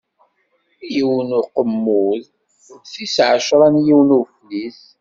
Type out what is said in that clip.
Yiwen n Uqemmud, d tis ɛecṛa n yiwen n Uflis.